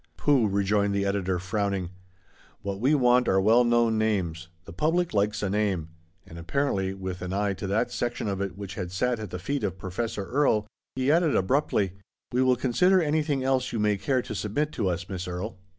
"Pooh," rejoined the editor, frowning; " what we want are well known names ; the public likes a name," and apparently with an eye to that section of it which had sat at the feet of Professor Erie, he added abruptly, "We will consider anything else you may care to submit to us, Miss Erie."